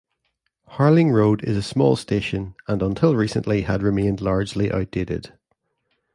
Harling Road is a small station and until recently had remained largely outdated.